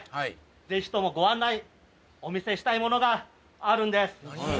ぜひともご案内お見せしたいものがあるんです